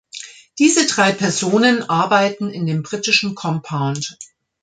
Diese drei Personen arbeiten in dem britischen Compound.